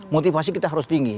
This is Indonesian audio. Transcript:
motivasi kita harus tinggi